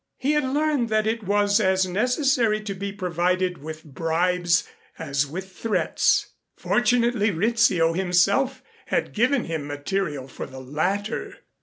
He had learned that it was as necessary to be provided with bribes as with threats. Fortunately Rizzio himself had given him material for the latter.